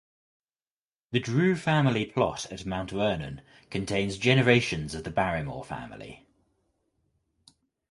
The Drew family plot at Mount Vernon contains generations of the Barrymore family.